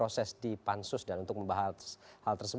selamat malam mas